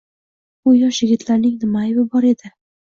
Bu yosh yigitlarning nima aybi bor edi?